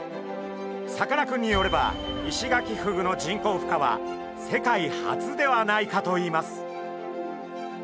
さかなクンによればイシガキフグの人工ふ化は世界初ではないかといいます。